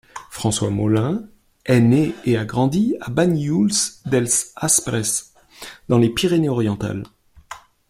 François Molins est né et a grandi à Banyuls-dels-Aspres dans les Pyrénées-Orientales.